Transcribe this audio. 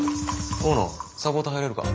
大野サポート入れるか。